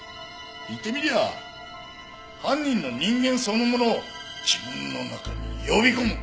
言ってみりゃ犯人の人間そのものを自分の中に呼び込む。